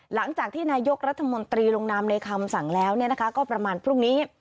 หลังจากที่นายกรัฐมนตรีลงนามในคำสั่งแล้วก็ประมาณพรุ่งนี้